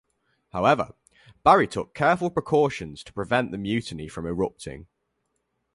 However, Barry took careful precautions to prevent the mutiny from erupting.